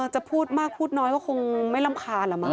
จะพูดมากพูดน้อยก็คงไม่รำคาญแหละมั